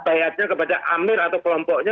bayatnya kepada amir atau kelompoknya